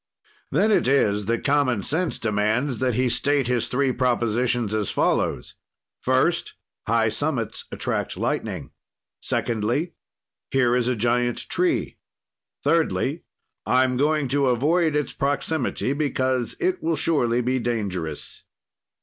"Then it is that common sense demands that the state his three propositions as follows: "First: High summits attract lightning. "Secondly: Here is a giant tree. "Thirdly: I'm going to avoid its proximity because it will surely be dangerous.